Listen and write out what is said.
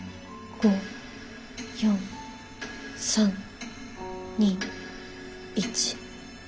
５４３２１０。